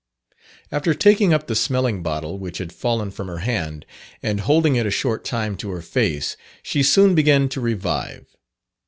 After taking up the smelling bottle which had fallen from her hand, and holding it a short time to her face, she soon began to revive.